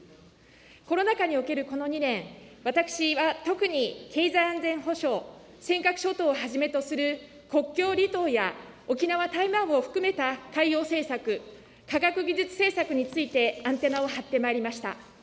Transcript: コロナ禍におけるこの２年、私は特に経済安全保障、尖閣諸島をはじめとする国境離島や沖縄、台湾を含めた海洋政策、科学技術政策について、アンテナを張ってまいりました。